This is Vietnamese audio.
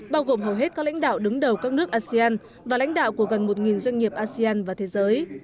bao gồm hầu hết các lãnh đạo đứng đầu các nước asean và lãnh đạo của gần một doanh nghiệp asean và thế giới